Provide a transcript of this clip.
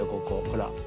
ここほら。